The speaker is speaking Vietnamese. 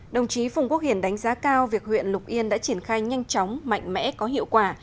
đồng chí phùng quốc hiển đánh giá cao việc huyện lục yên đã triển khai nhanh chóng mạnh mẽ có hiệu quả